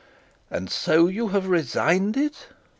'And so you have resigned it?'